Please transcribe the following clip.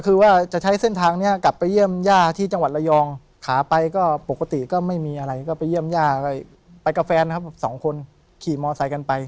คือว่าจะใช้เส้นทางนี้กลับไปเยี่ยมย่าที่จังหวัดระยองขาไปก็ปกติก็ไม่มีอะไรก็ไปเยี่ยมย่าไปกับแฟนครับสองคนขี่มอไซค์กันไป